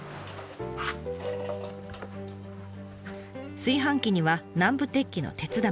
炊飯器には南部鉄器の鉄玉。